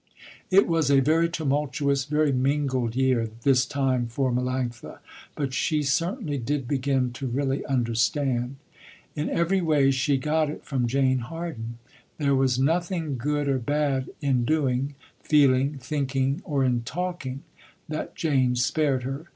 It was a very tumultuous, very mingled year, this time for Melanctha, but she certainly did begin to really understand. In every way she got it from Jane Harden. There was nothing good or bad in doing, feeling, thinking or in talking, that Jane spared her.